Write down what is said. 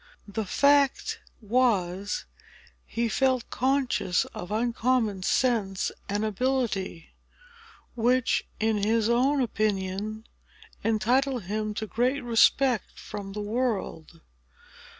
The fact was, he felt conscious of uncommon sense and ability, which, in his own opinion, entitled him to great respect from the world.